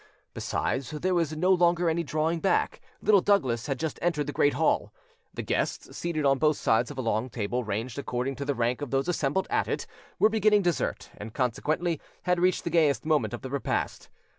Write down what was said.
Besides, there was no longer any drawing back: Little Douglas had just entered the great hall. The guests, seated on both sides of a long table ranged according to the rank of those assembled at it, were beginning dessert, and consequently had reached the gayest moment of the repast.